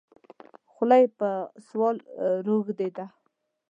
خوله یې په سوال روږده ده.